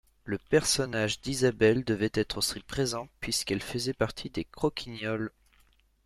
Le personnage d'Isabelle devait être aussi présent puisqu'elle faisait partie des Croquignoles.